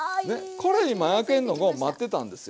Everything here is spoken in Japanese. これ今焼けんのも待ってたんですよ。